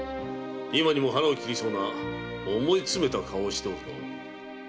今にも腹を切りそうな思い詰めた顔をしておるぞ。